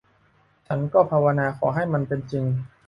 ฉันก็ภาวนาขอให้มันเป็นจริง